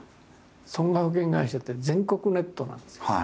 損害保険会社って全国ネットなんですよ。